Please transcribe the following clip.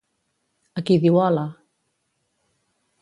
A qui diu hola?